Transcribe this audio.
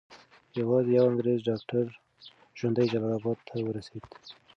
یوازې یو انګریز ډاکټر ژوندی جلال اباد ته ورسېد.